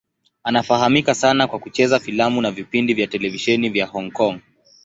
Anafahamika sana kwa kucheza filamu na vipindi vya televisheni vya Hong Kong.